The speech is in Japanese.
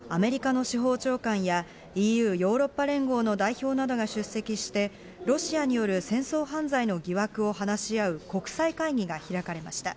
一方、ウクライナの西部で３日、アメリカの司法長官やＥＵ＝ヨーロッパ連合の代表などが出席して、ロシアによる戦争犯罪の疑惑を話し合う国際会議が開かれました。